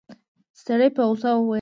سړي په غوسه وويل.